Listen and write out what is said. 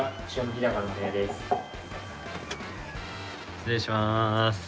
失礼します。